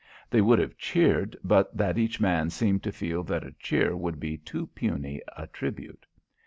They would have cheered but that each man seemed to feel that a cheer would be too puny a tribute.